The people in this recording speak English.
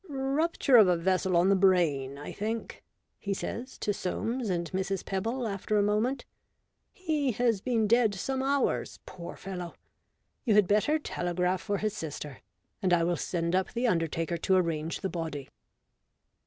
" Rupture of a vessel on the brain, I think, 1 * he says to Soames and Mrs. Pebble after a moment. " He has been dead some hours. Poor fellow ! You had better telegraph for his sister, and I will send up the undertaker to arrange the body."